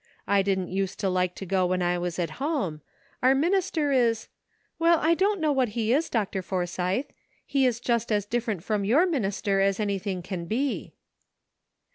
I didn't use to like to go when I was at home. Our minister is — well, I don't know what he is, Dr. Forsythe. He is just as different from your minister as anything can be."